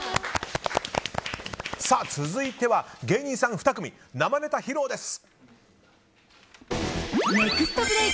続いては、芸人さん２組生ネタ披露です。